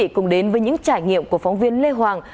hãy cùng đến với những trải nghiệm của phóng viên lê hoàng